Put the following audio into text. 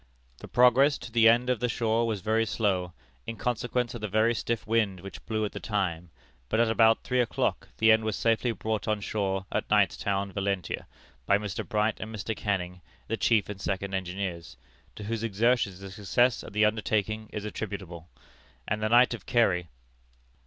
"The progress of the end to the shore was very slow, in consequence of the very stiff wind which blew at the time, but at about three o'clock the end was safely brought on shore at Knightstown, Valentia, by Mr. Bright and Mr. Canning, the chief and second engineers, to whose exertions the success of the undertaking is attributable, and the Knight of Kerry.